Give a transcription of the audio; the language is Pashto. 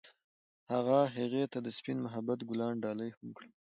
هغه هغې ته د سپین محبت ګلان ډالۍ هم کړل.